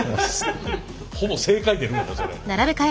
ほぼ正解出るがなそれ。